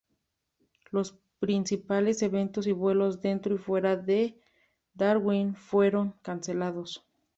Los principales eventos y vuelos dentro y fuera de Darwin fueron cancelados.